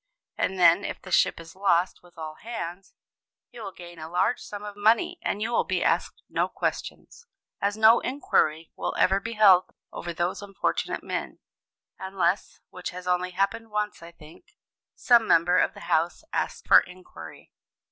And then, if the ship is lost with all hands, you will gain a large sum of money and you will be asked no questions, as no inquiry will ever be held over those unfortunate men, unless (which has only happened once, I think), some member of the House asks for inquiry.